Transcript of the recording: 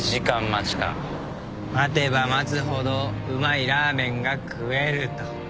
待てば待つほどうまいラーメンが食えると。